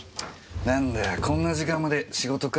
何だよこんな時間まで仕事か？